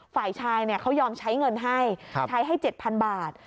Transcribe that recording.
ฝ่ายชายเขายอมใช้เงินให้ใช้ให้๗๐๐บาท